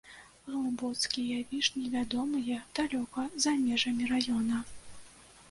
Глыбоцкія вішні вядомыя далёка за межамі раёна.